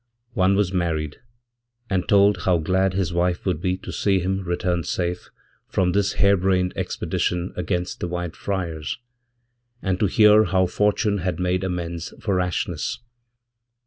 One wasmarried, and told how glad his wife would be to see him return safefrom this harebrained expedition against the White Friars, and tohear how fortune had made amends for rashness.